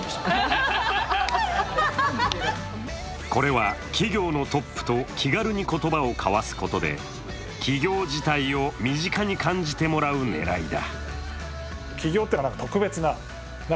これは企業のトップと気軽に言葉を交わすことで起業自体を身近に感じてもらう狙いだ。